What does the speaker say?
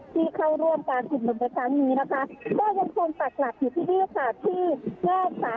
ที่เข้าร่วมการคิดลุ่มรับการอย่างนี้นะคะ